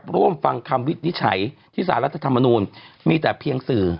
ร่วมฟังคำวินิจฉัยที่สารรัฐธรรมนูลมีแต่เพียงสื่อ